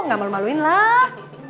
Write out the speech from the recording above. gak malu maluin lah